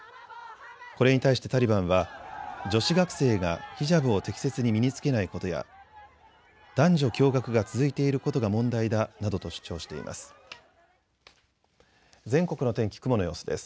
これに対してタリバンは女子学生がヒジャブを適切に身につけないことや男女共学が続いていることが問題だなどと主張しています。